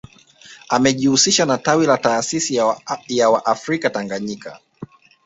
Amejihusisha na tawi la taasisi ya waafrika Tanganyika